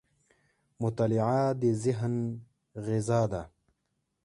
• مطالعه د ذهن غذا ده.